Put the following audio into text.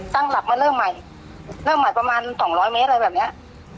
ตั้งหลักมาเริ่มใหม่เริ่มใหม่ประมาณสองร้อยเมตรอะไรแบบเนี้ย